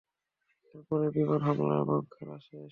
এর পরে, বিমান হামলা এবং খেলা শেষ।